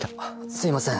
すいません！